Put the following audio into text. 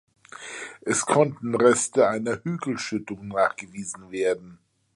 Es konnten Reste einer Hügelschüttung nachgewiesen werden.